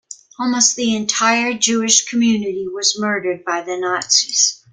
Almost the entire Jewish community was murdered by the Nazis.